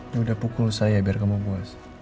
dia udah pukul saya biar kamu puas